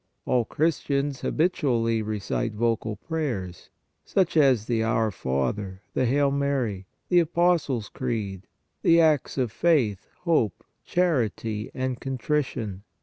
All Chris tians habitually recite vocal prayers, such as the Our Father, the Hail Mary, the Apostles Creed, the acts of faith, hope, charity and contrition.